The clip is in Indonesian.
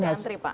masih antri pak